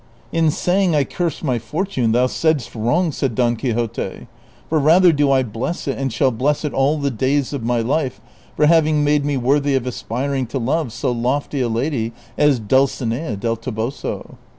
" In saying I cursed my fortune thou saidst wrong," said Don Quixote ;'' for rather do I bless it and shall bless it all the days of my life for having made me worthy of aspiring to love so lofty a lady as Dulcinea del Toboso."